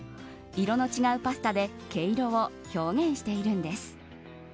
色の違うパスタで毛色を表現しているんです。